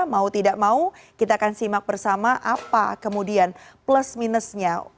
mau tidak mau kita akan simak bersama apa kemudian plus minusnya